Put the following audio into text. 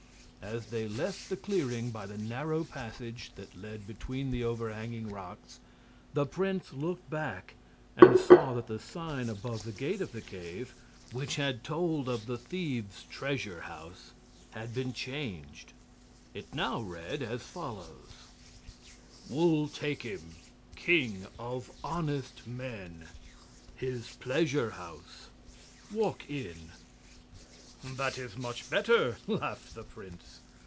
As they left the clearing by the narrow passage that led between the overhanging rocks, the prince looked back and saw that the sign above the gate of the cave, which had told of the thieves' treasure house, had been changed. It now read as follows: WUL TAKIM KING OF HONEST MEN HIS PLEASURE HOUSE WALK IN "That is much better," laughed the prince.